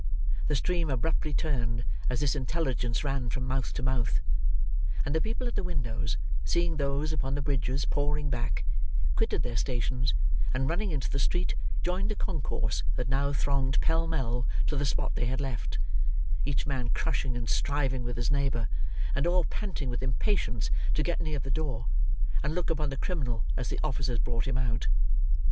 The stream abruptly turned, as this intelligence ran from mouth to mouth; and the people at the windows, seeing those upon the bridges pouring back, quitted their stations, and running into the street, joined the concourse that now thronged pell mell to the spot they had left: each man crushing and striving with his neighbor, and all panting with impatience to get near the door, and look upon the criminal as the officers brought him out.